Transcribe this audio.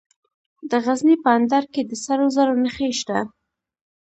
د غزني په اندړ کې د سرو زرو نښې شته.